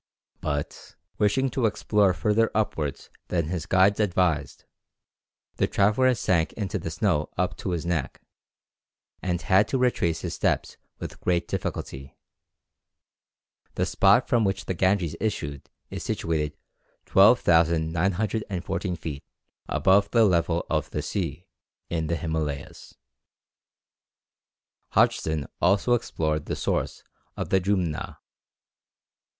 But, wishing to explore further upwards than his guides advised, the traveller sank into the snow up to his neck, and had to retrace his steps with great difficulty. The spot from which the Ganges issues is situated 12,914 feet above the level of the sea, in the Himalayas. Hodgson also explored the source of the Jumna.